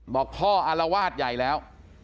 บอกพ่ออารวาสใหญ่แล้ว